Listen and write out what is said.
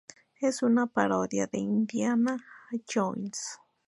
Es una parodia de Indiana Jones.